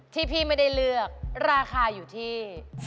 ที่พี่ไม่ได้เลือกราคาอยู่ที่